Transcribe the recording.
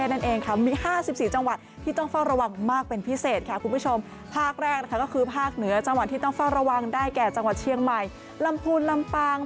เนื่องจากลมทะเลที่มีความลำอะไรเร็งขึ้นเพื่อเข้าประเทศ